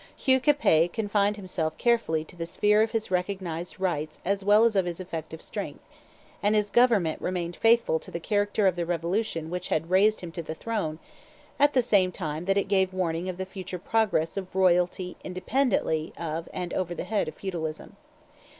Hugh Capet confined himself carefully to the sphere of his recognized rights as well as of his effective strength, and his government remained faithful to the character of the revolution which had raised him to the throne, at the same time that it gave warning of the future progress of royalty independently of and over the head of feudalism.